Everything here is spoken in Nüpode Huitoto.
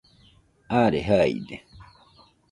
are jaide